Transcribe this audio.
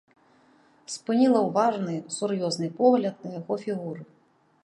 Спыніла ўважны, сур'ёзны погляд на яго фігуры.